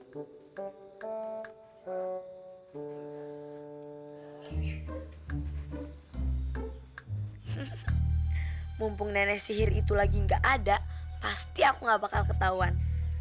mumpung nenek sihir itu lagi gak ada pasti aku gak bakal ketahuan